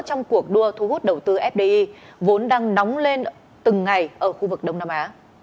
trong cuộc đua thu hút đầu tư fdi vốn đang nóng lên từng ngày ở khu vực đông nam á